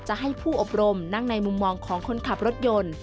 จะให้ผู้อบรมนั่งในมุมมองของคนขับรถยนต์